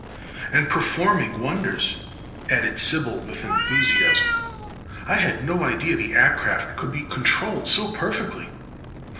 "And performing wonders," added Sybil, with enthusiasm. "I had no idea the aircraft could be controlled so perfectly."